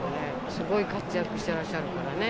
すごい活躍してらっしゃるからね。